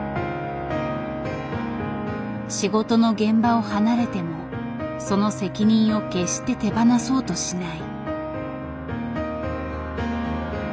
仕事の現場を離れてもその責任を決して手放そうとしない。